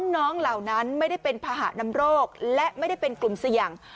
เหล่านั้นไม่ได้เป็นภาหะนำโรคและไม่ได้เป็นกลุ่มเสี่ยง